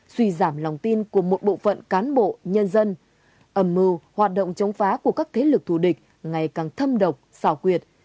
suy giảm lòng tin của một bộ phận cán bộ nhân dân âm mưu hoạt động chống phá của các thế lực thù địch ngày càng thâm độc xảo quyệt